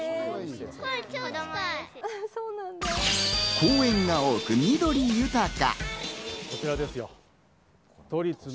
公園が多く緑豊か。